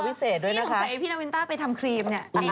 พี่ถึงใส่ให้พี่นาวินต้าไปทำครีมเนี่ย